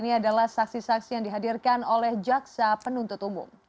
ini adalah saksi saksi yang dihadirkan oleh jaksa penuntut umum